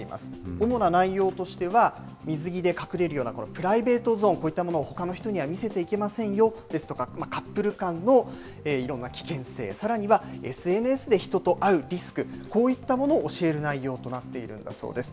主な内容としては、水着で隠れるような、プライベートゾーン、こういったものをほかの人には見せてはいけませんよですとか、カップル間のいろんな危険性、さらには、ＳＮＳで人と会うリスク、こういったものを教える内容となっているんだそうです。